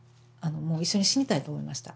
もう一緒に死にたいと思いました。